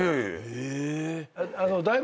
へぇ。